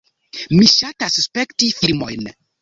Mi ŝatas spekti filmojn.